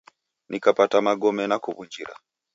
Nkapata magome nukuw'unjira.